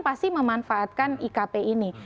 pasti memanfaatkan ikp ini